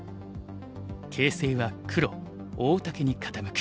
形勢は黒大竹に傾く。